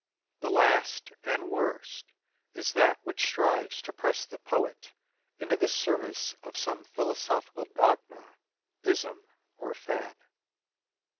The last and worst is that which strives to press the poet into the service of some philosophical dogma, ism, or fad.